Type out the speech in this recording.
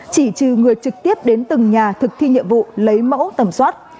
chỉ trừ người trực tiếp đến từng nhà thực thi nhiệm vụ lấy mẫu tầm soát